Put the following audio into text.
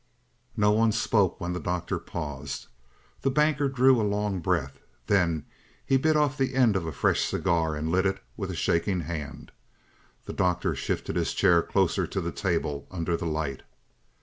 No one spoke when the Doctor paused. The Banker drew a long breath. Then he bit the end off a fresh cigar and lit it with a shaking hand. The Doctor shifted his chair closer to the table under the light.